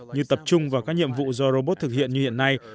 như tập trung vào các nhiệm vụ do robot thực hiện như hiện nay